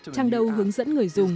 trang đầu hướng dẫn người dùng